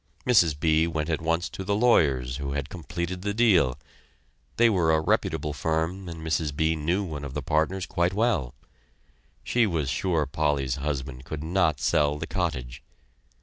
Mrs. B. went at once to the lawyers who had completed the deal. They were a reputable firm and Mrs. B. knew one of the partners quite well. She was sure Polly's husband could not sell the cottage.